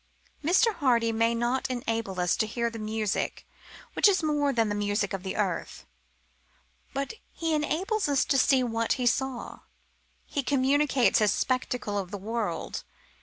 Mr. Hardy may not enable us to hear the music which is more than the music of the earth, but he enables us to see what he saw. He communicates his spectacle of the world.